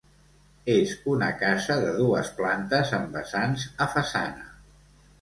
És una casa de dues plantes amb vessants a façana.